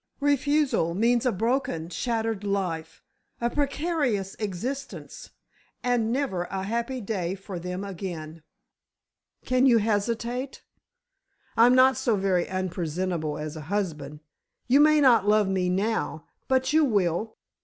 Refusal means a broken, shattered life, a precarious existence, and never a happy day for them again. Can you hesitate? I'm not so very unpresentable as a husband. You may not love me now, but you will!